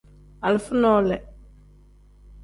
Alifa nole.